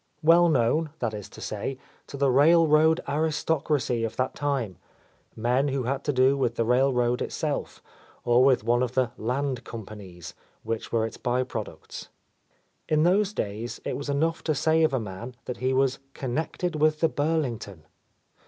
Well known, that is to say, to the railroad aristocracy of that time; men who had to do with the rail road itself, or with one of the "land companies" which were its by products. In those days it was enough to say of a man that he was "connected with the Burlington."